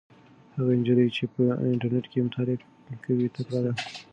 هغه نجلۍ چې په انټرنيټ کې مطالعه کوي تکړه ده.